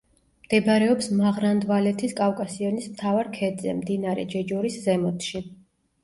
მდებარეობს მაღრან-დვალეთის კავკასიონის მთავარ ქედზე, მდინარე ჯეჯორის ზემოთში.